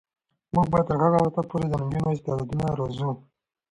موږ به تر هغه وخته پورې د نجونو استعدادونه روزو.